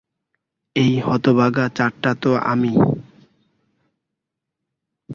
এই হতভাগা চাঁদটা তো আমি।